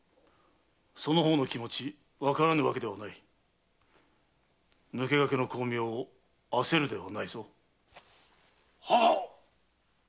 その方の気持ちわからぬわけではないが抜け駆けの功名をあせるではないぞ。ははっ！